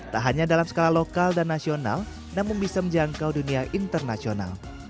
tak hanya dalam skala lokal dan nasional namun bisa menjangkau dunia internasional